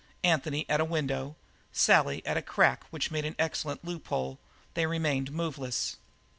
Anthony at a window, Sally at a crack which made an excellent loophole, they remained moveless.